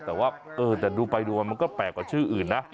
แต่ว่าแต่ดูไปดูมามันก็แปลกกว่าชื่ออื่นนะ